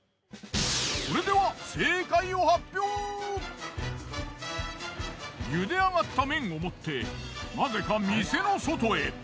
それでは茹で上がった麺を持ってなぜか店の外へ。